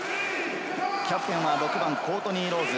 キャプテンは６番コートニー・ロウズ。